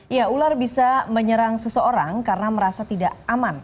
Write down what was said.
ya ular bisa menyerang seseorang karena merasa tidak aman